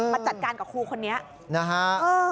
มาจัดการกับครูคนนี้